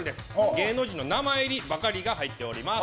芸能人の名前入りばかりが入っています。